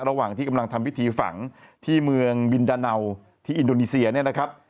ระหว่างที่กำลังทำพิธีฝังที่เมืองบินดาเนาที่อินโดนีเซียเนี่ยนะครับ